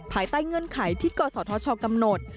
ภายใต้เงื่อนไขที่กศธชกำหนด